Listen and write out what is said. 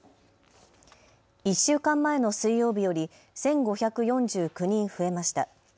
１週間前の水曜日より１５４９人増えました。